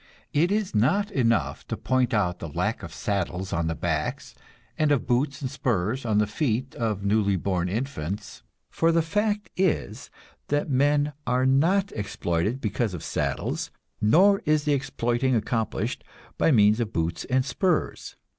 It is not enough to point out the lack of saddles on the backs, and of boots and spurs on the feet of newly born infants; for the fact is that men are not exploited because of saddles, nor is the exploiting accomplished by means of boots and spurs.